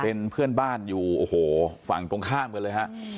เป็นเพื่อนบ้านอยู่โอ้โหฝั่งตรงข้ามกันเลยฮะ